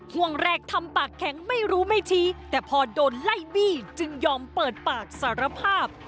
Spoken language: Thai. ห่วงแรกทำปากแข็งไม่รู้ไม่ชี้แต่พอโดนไล่บี้จึงยอมเปิดปากสารภาพ